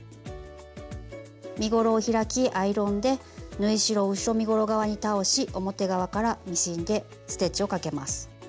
身ごろを開きアイロンで縫い代を後ろ身ごろ側に倒し表側からミシンでステッチをかけます。